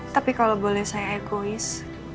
tapi kalau boleh saya egois